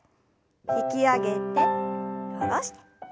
引き上げて下ろして。